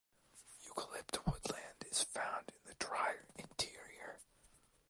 Eucalypt woodland is found in the drier interior.